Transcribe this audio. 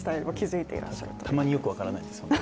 たまによく分からないですもんね。